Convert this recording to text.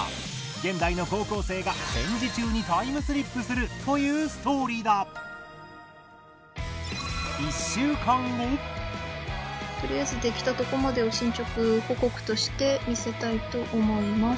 現代の高校生が戦時中にタイムスリップするというストーリーだとりあえず出来たとこまでを進捗報告として見せたいと思います。